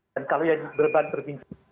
dan kalau yang berbahan perbincangan